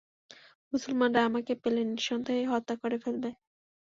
মুসলমানরা আমাকে পেলে নিঃসন্দেহে হত্যা করে ফেলবে।